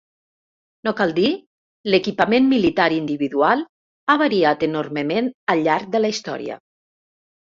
No cal dir, l'equipament militar individual ha variat enormement al llarg de la història.